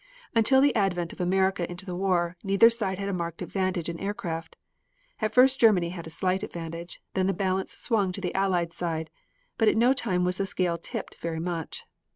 Until the advent of America into the war, neither side had a marked advantage in aircraft. At first Germany had a slight advantage; then the balance swung to the Allied side; but at no time was the scale tipped very much.